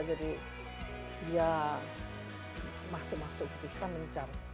jadi dia masuk masuk gitu kita mencar